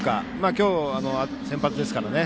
今日は先発ですからね。